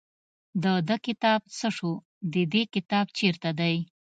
د ده کتاب څه شو د دې کتاب چېرته دی.